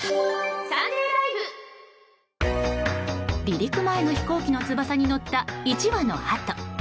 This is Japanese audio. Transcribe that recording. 離陸前の飛行機の翼に乗った１羽のハト。